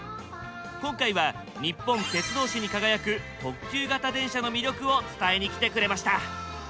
今回は日本鉄道史に輝く特急形電車の魅力を伝えに来てくれました。